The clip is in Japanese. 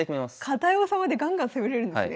堅い王様でガンガン攻めれるんですね。